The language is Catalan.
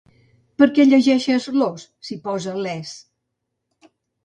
Per què llegeixes los si posa les?